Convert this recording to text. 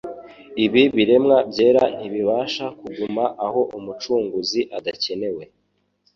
Ibi biremwa byera ntibibasha kuguma aho Umucunguzi adakenewe